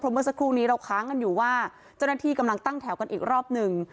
เมื่อสักครู่นี้เราค้างกันอยู่ว่าเจ้าหน้าที่กำลังตั้งแถวกันอีกรอบหนึ่ง